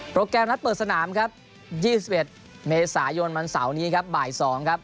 แกรมนัดเปิดสนามครับ๒๑เมษายนวันเสาร์นี้ครับบ่าย๒ครับ